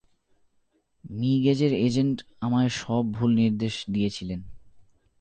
Me গেজের agent আমায় সব ভুল নির্দেশ দিয়েছিলেন।